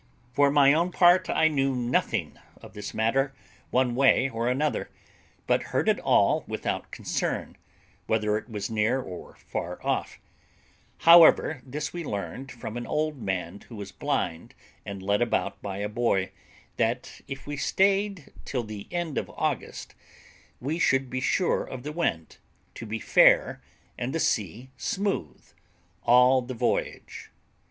For my own part, I knew nothing of this matter one way or another, but heard it all without concern, whether it was near or far off; however, this we learned from an old man who was blind and led about by a boy, that if we stayed till the end of August, we should be sure of the wind to be fair and the sea smooth all the voyage.